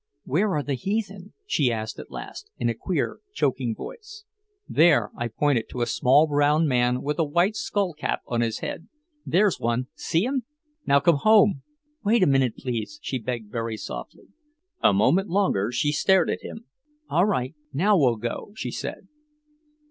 "Where are the heathen?" she asked at last, in a queer choking voice. "There." I pointed to a small brown man with a white skull cap on his head. "There's one. See him? Now come home!" "Wait a minute, please," she begged very softly. A moment longer she stared at him. "All right, now we'll go," she said.